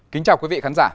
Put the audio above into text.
kính chào quý vị khán giả